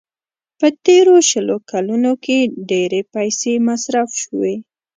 په تېرو شلو کلونو کې ډېرې پيسې مصرف شوې.